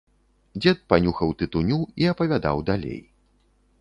Дзед панюхаў тытуню і апавядаў далей.